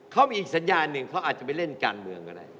เขามีอีกสัญญาณหนึ่งเขาอาจจะไปเล่นการเมืองก็ได้